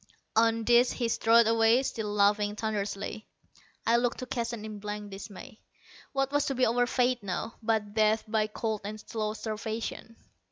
On this he strode away, still laughing thunderously. I looked to Keston in blank dismay. What was to be our fate now, but death by cold and slow starvation!